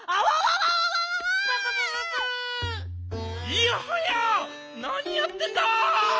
いやはやなにやってんだ！